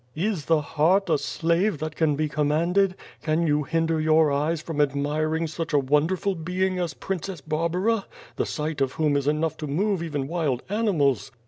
"Is the heart a slave that can be commanded? Can you hinder your eyes from admiring such a wonderful being as Princess Barbara, the sight of whom is enough to move even wild animals."